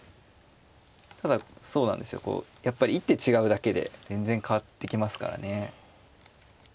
ただそうなんですよこうやっぱり一手違うだけで全然変わってきますからね。